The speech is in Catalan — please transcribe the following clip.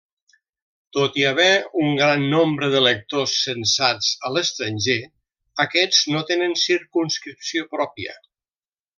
Tot i haver un gran nombre d'electors censats a l'estranger, aquests no tenen circumscripció pròpia.